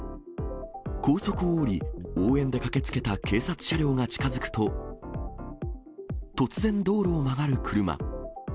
高速を降り、応援で駆けつけた警察車両が近づくと、突然道路を曲がる車。